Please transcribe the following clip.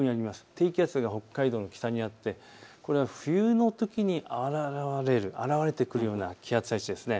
低気圧が北海道の北にあってこれは冬のときに現れてくるような気圧配置です。